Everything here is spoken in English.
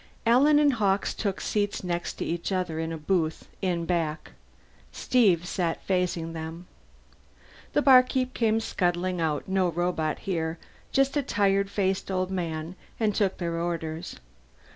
Alan and Hawkes took seats next to each other in a booth in back; Steve sat facing them. The barkeep came scuttling out no robot in here, just a tired faced old man and took their orders.